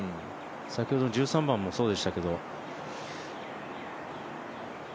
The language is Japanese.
先ほどの１３番もそうでしたけど。